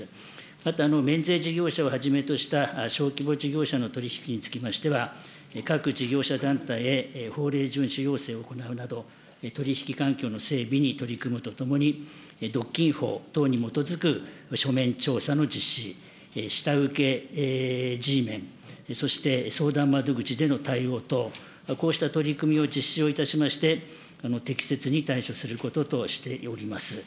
また、免税事業者をはじめとした小規模事業者の取り引きにつきましては、各事業者団体へ法令順守要請を行うなど、取り引き環境の整備に取り組むとともに、独禁法等に基づく書面調査の実施、下請けＧメン、そして相談窓口での対応と、こうした取り組みを実施をいたしまして、適切に対処することとしております。